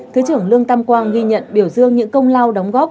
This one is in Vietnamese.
thứ trưởng lương tam quang ghi nhận biểu dương những công lao đóng góp